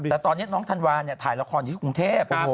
แต่ตอนนี้น้องธันวาเนี่ยถ่ายละครอยู่ที่กรุงเทพ